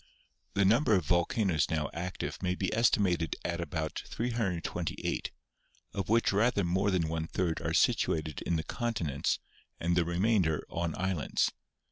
The number of volcanoes now active may be estimated at about 328, of which rather more than one third are situ ated in the continents and the remainder on islands.